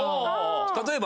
例えば。